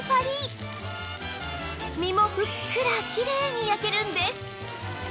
身もふっくらきれいに焼けるんです